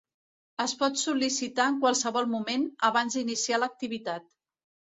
Es pot sol·licitar en qualsevol moment, abans d'iniciar l'activitat.